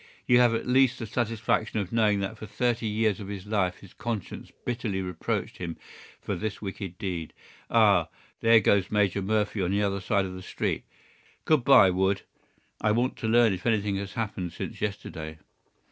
You have at least the satisfaction of knowing that for thirty years of his life his conscience bitterly reproached him for this wicked deed. Ah, there goes Major Murphy on the other side of the street. Good by, Wood. I want to learn if anything has happened since yesterday."